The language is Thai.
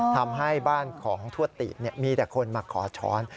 ทำให้บ้านของทวดติมีแต่คนมาขอช้อน